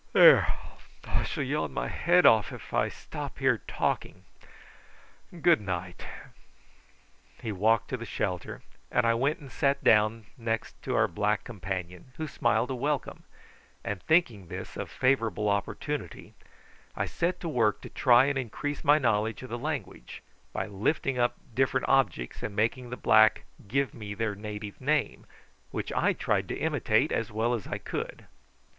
There, I shall yawn my head off if I stop here talking. Good night!" He walked to the shelter, and I went and sat down next our black companion, who smiled a welcome; and thinking this a favourable opportunity, I set to work to try and increase my knowledge of the language, by lifting up different objects and making the black give them their native name, which I tried to imitate as well as I could.